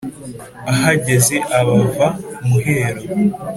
agaheza abava-muhero